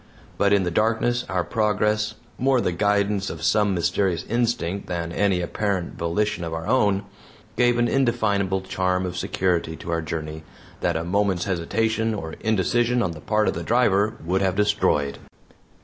But in the darkness our progress, more the guidance of some mysterious instinct than any apparent volition of our own, gave an indefinable charm of security to our journey that a moment's hesitation or indecision on the part of the driver would have destroyed.